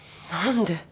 何で。